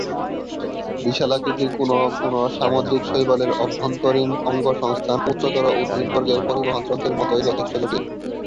বিশালাকৃতির কোনো কোনো সামুদ্রিক শৈবালের অভ্যন্তরীণ অঙ্গসংস্থান উচ্চতর উদ্ভিদবর্গের পরিবহণতন্ত্রের মতোই যথেষ্ট জটিল।